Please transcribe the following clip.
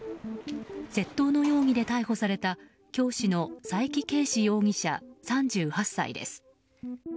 窃盗の容疑で逮捕された教師の佐伯啓史容疑者３８歳です。